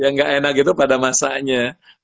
yang gak enak itu pada masanya